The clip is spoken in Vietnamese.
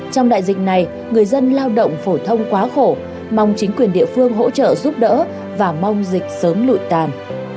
trong đại dịch này người dân lao động phổ thông quá khổ mong chính quyền địa phương hỗ trợ giúp đỡ và mong dịch sớm lụi tàn